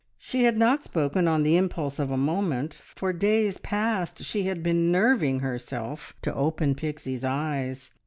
She had not spoken on the impulse of a moment; for days past she had been nerving herself to open Pixie's eyes.